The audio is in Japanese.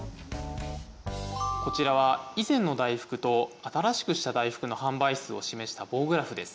こちらは以前の大福と新しくした大福の販売数を示した棒グラフです。